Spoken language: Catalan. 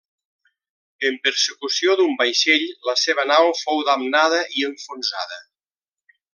En persecució d'un vaixell la seva nau fou damnada i enfonsada.